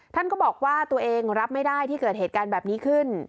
ท่านก็บอกว่าตัวเองรับไม่ได้ที่เกิดเหตุการณ์แบบนี้ขึ้น